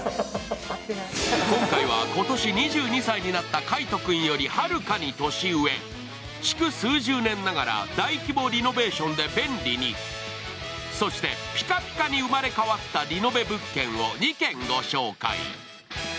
今回は今年２２歳になった海音君よりはるかに年上築数十年ながら大規模リノベーションで便利に、そしてぴかぴかに生まれ変わったリノベ物件を２軒ご紹介。